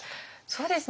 そうですね。